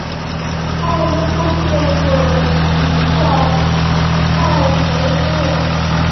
还有一个附属建筑与叫拜楼相连。